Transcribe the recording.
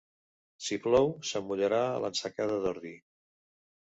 Si plou, se'm mullarà l'ensacada d'ordi.